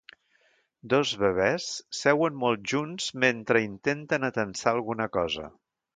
Dos bebès seuen molt junts mentre intenten atansar alguna cosa.